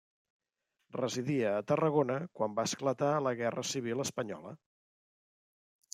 Residia a Tarragona quan va esclatar la Guerra Civil espanyola.